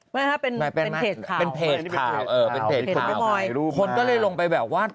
ไม่ครับเป็นเป็นเพจข่าวเป็นเพจข่าวเออเป็นเพจของพี่มอยคนก็เลยลงไปแบบว่า